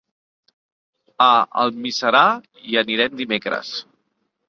A Almiserà hi anem dimecres.